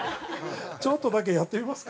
◆ちょっとだけやってみますか。